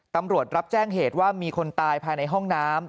ตำรวจรับแจ้งเหตุว่ามีคนตายภายในห้องน้ำ